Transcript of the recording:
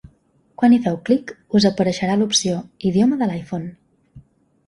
Quan hi feu clic, us apareixerà l’opció “Idioma de l’iPhone”.